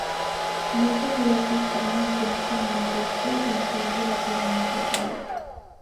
Dorso color castaño intenso a negruzco; ventral relativamente pálido.